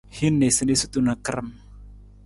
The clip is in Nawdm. Hin niisaniisatu na karam.